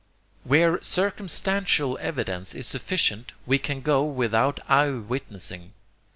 Where circumstantial evidence is sufficient, we can go without eye witnessing.